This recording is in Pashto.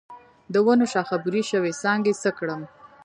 د ونو شاخه بري شوي څانګې څه کړم؟